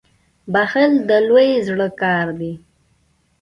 • بخښل د لوی زړه کار دی.